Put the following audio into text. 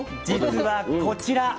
実はこちら。